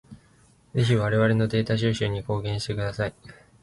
ぜひ我々のデータ収集に貢献してください。